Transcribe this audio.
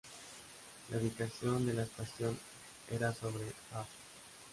La ubicación de la estación era sobre Av.